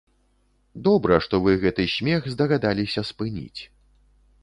Добра, што вы гэты смех здагадаліся спыніць.